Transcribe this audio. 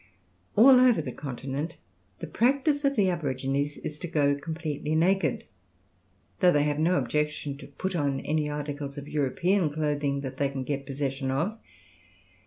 All over the continent the practice of the aborigines is to go completely naked; though they have no objection to put on any articles of European clothing that they can get possession of.